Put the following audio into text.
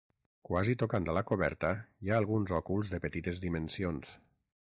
Quasi tocant a la coberta hi ha alguns òculs de petites dimensions.